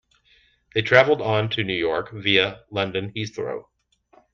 They travelled on to New York via London Heathrow